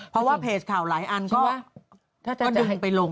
เพราะว่าเพจข่าวหลายอันก็ถ้าจะให้ดูไปลง